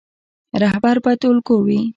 رهبر باید الګو وي